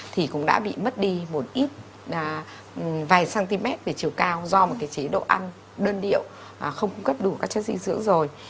thì cũng đã bị mất đi một ít vài cm về chiều cao do một cái chế độ ăn đơn điệu không cung cấp đủ các chất dinh dưỡng rồi